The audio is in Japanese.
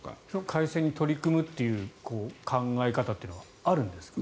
改正に取り組むという考え方というのはあるんですか？